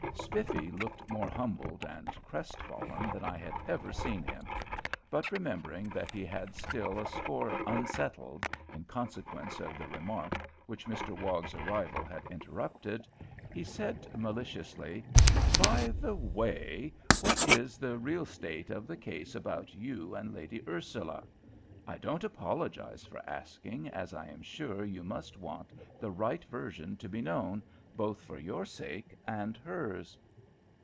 Spiffy looked more humbled and crestfallen than I had ever seen him; but remembering that he had still a score unsettled, in consequence of the remark which Mr Wog's arrival had interrupted, he said, maliciously, "By the way, what is the real state of the case about you and Lady Ursula? I don't apologise for asking, as I am sure you must want the right version to be known both for your sake and hers."